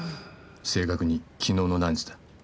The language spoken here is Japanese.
正確に昨日の何時だ？